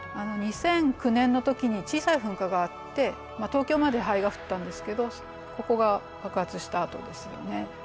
２００９年の時に小さい噴火があって東京まで灰が降ったんですけどここが爆発した跡ですよね。